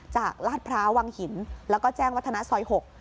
จากราชพระวังหินแล้วก็แจ้งวัฒนาสอยหก